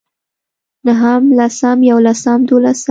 نهم لسم يولسم دولسم